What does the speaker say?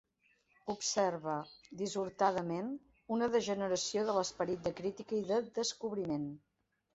Observe, dissortadament, una degeneració de l'esperit de crítica i de descobriment.